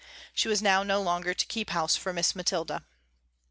She was now no longer to keep house for Miss Mathilda.